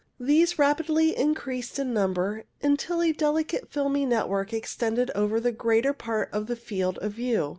These rapidly increased in num ber, until a delicate filmy network extended over the greater part of the field of view.